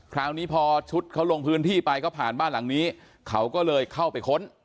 คราวนี้พอชุดเขาลงพื้นที่ไปก็ผ่านบ้านหลังนี้เขาก็เลยเข้าไปค้น